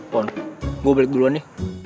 pohon gue balik duluan ya